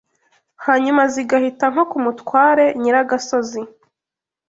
Hanyuma zigahita nko k’umutware Nyiragasozi,